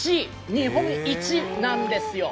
日本一なんですよ。